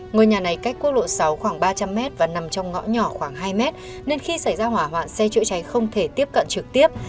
ngôi nhà này cách quốc lộ sáu khoảng ba trăm linh m và nằm trong ngõ nhỏ khoảng hai mét nên khi xảy ra hỏa hoạn xe chữa cháy không thể tiếp cận trực tiếp